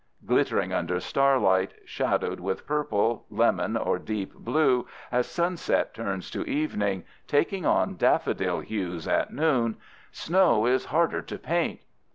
Glittering under starlight, shadowed with purple, lemon, or deep blue as sunset turns to evening, taking on daffodil hues at noon, snow is harder to paint.